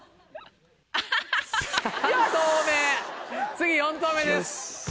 次４投目です。